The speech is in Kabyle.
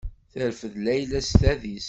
Terfed Layla s tadist.